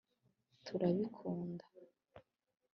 turabikunda